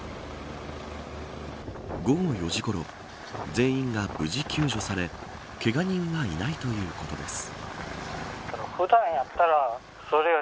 午後４時ごろ全員が無事救助されけが人はいないということです。